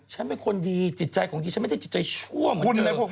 ฉันเป็นคนดีจิตใจของดีฉันไม่ได้จิตใจชั่วเหมือนฉันเลย